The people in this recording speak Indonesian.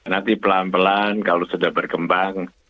nanti pelan pelan kalau sudah berkembang